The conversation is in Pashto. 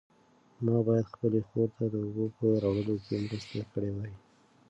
ما باید خپلې خور ته د اوبو په راوړلو کې مرسته کړې وای.